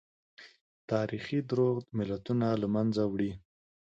تاريخي دروغ ملتونه له منځه وړي.